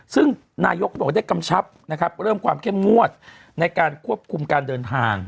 ซึ่งนายกเขาบอกว่าได้กำชับนะครับเริ่มความเข้มงวดในการควบคุมการเดินทาง